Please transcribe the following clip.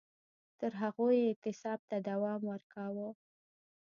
تر هغو یې اعتصاب ته دوام ورکاوه